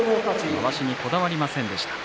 まわしにこだわりませんでした。